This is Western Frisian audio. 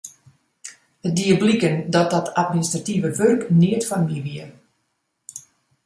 It die bliken dat dat administrative wurk neat foar my wie.